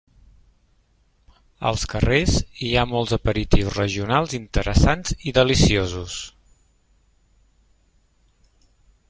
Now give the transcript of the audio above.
Als carrers, hi ha molts aperitius regionals interessants i deliciosos.